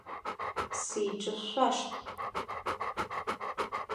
Сеиҿышәшәашт.